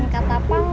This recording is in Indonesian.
tak ada lagi